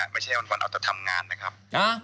ไม่ใช่วันเอาแต่ทำงานนะครับ